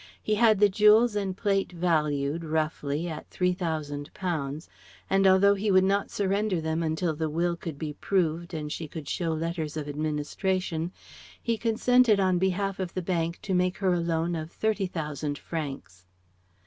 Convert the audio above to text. He had the jewels and plate valued roughly at £3,000; and although he would not surrender them till the will could be proved and she could show letters of administration, he consented on behalf of the bank to make her a loan of 30,000 francs.